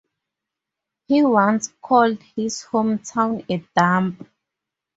He once called his hometown "a dump".